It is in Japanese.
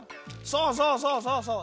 そうそうそうそうそう！